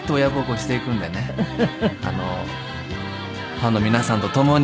ファンの皆さんと共に。